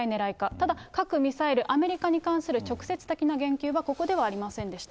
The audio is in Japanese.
ただ核・ミサイル、アメリカに関する直接的な言及はここではありませんでした。